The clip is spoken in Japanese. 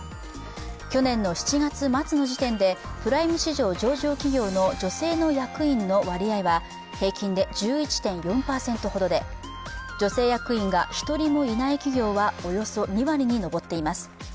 去年７月末の時点でプライム市場上場企業の女性の役員の割合は平均で１１．４％ほどで女性役員が１人もいない企業はおよそ２割に上っています。